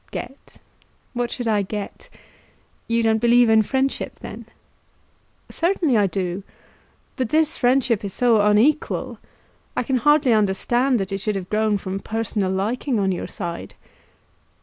"Get; what should I get? You don't believe in friendship, then?" "Certainly I do; but this friendship is so unequal. I can hardly understand that it should have grown from personal liking on your side."